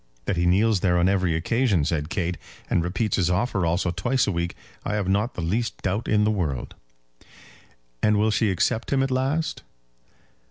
"That he kneels there on every occasion," said Kate, "and repeats his offer also twice a week, I have not the least doubt in the world." "And will she accept him at last?"